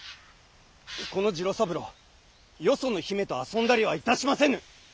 この次郎三郎よその姫と遊んだりはいたしませぬ！